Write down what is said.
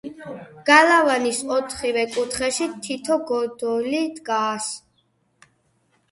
გალავნის ოთხივე კუთხეში თითო გოდოლი დგას.